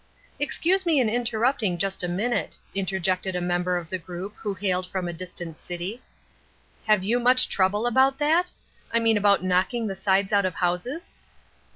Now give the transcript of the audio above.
"Excuse me interrupting just a minute," interjected a member of the group who hailed from a distant city, "have you much trouble about that? I mean about knocking the sides out of houses?"